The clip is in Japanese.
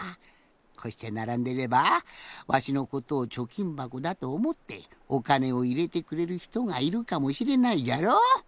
こうしてならんでればわしのことをちょきんばこだとおもっておかねをいれてくれるひとがいるかもしれないじゃろ？